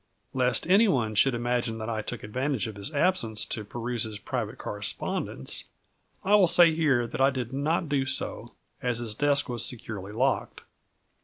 Lest any one should imagine that I took advantage of his absence to peruse his private correspondence, I will say here that I did not do so, as his desk was securely locked.